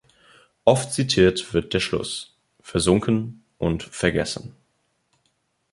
Oft zitiert wird der Schluss: "„Versunken und vergessen!